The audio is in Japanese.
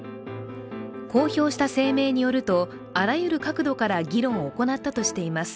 公表した声明によるとあらゆる角度から議論を行ったとしています。